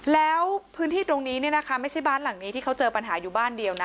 แล้วพื้นที่ตรงนี้เนี่ยนะคะไม่ใช่บ้านหลังนี้ที่เขาเจอปัญหาอยู่บ้านเดียวนะ